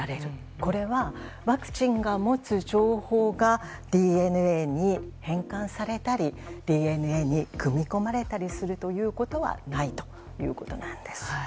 これはワクチンが持つ情報がＤＮＡに変換されたりＤＮＡに組み込まれたりするということはないということなんです。